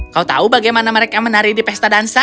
kau tahu bagaimana mereka menari di pesta dansa